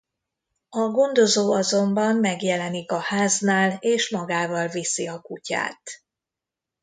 A gondozó azonban megjelenik a háznál és magával viszi a kutyát.